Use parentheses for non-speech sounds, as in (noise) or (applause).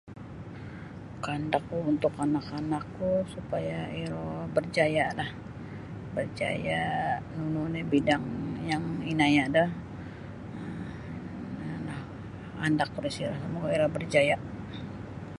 Kehendak ku untuk anak-anakku supaya iro berjaya lah bejaya nunu ni bidang yang inaya dah (unintelligible) kehendak ku da siyo semoga iro bejaya.